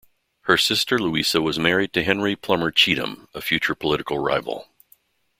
Her sister Louisa was married to Henry Plummer Cheatham, a future political rival.